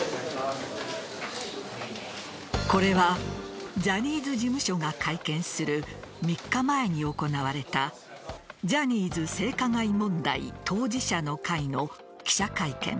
これはジャニーズ事務所が会見する３日前に行われたジャニーズ性加害問題当事者の会の記者会見。